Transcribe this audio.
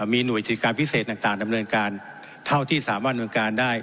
มีหน่วยกิจการพิเศษต่างดำเนินการเท่าที่สามารถดำเนินการได้